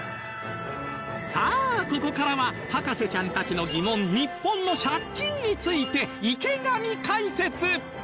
さあここからは博士ちゃんたちの疑問日本の借金について池上解説